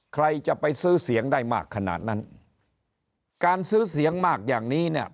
ใครจะไปซื้อเสียงได้มากขนาดนั้นการซื้อเสียงมากอย่างนี้เนี่ย